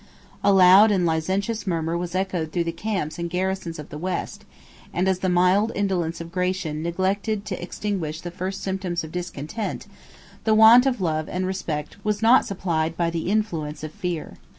A loud and licentious murmur was echoed through the camps and garrisons of the West; and as the mild indolence of Gratian neglected to extinguish the first symptoms of discontent, the want of love and respect was not supplied by the influence of fear.